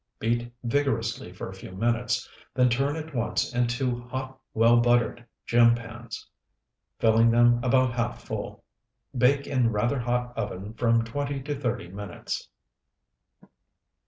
Beat vigorously for a few minutes, then turn at once into hot well buttered gem pans, filling them about half full. Bake in rather hot oven from twenty to thirty minutes.